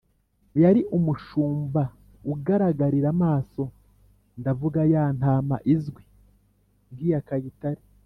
yari umushumba ugaragarira amaso (ndavuga ya ntama izwi nk'iya kayitare).